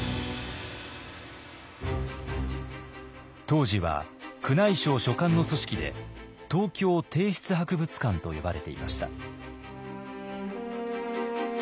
当時は宮内省所管の組織で東京帝室博物館と呼ばれていました。